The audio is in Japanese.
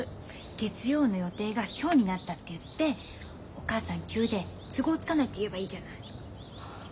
月曜の予定が今日になったって言ってお母さん急で都合つかないって言えばいいじゃない。